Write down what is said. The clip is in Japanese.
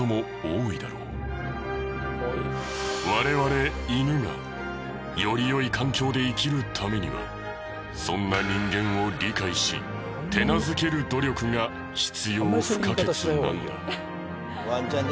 我々犬がより良い環境で生きるためにはそんな人間を理解し手なずける努力が必要不可欠なのだ。